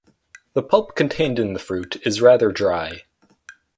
The pulp contained in the fruit is rather dry.